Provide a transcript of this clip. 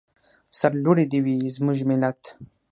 سرلوړی دې وي زموږ ملت.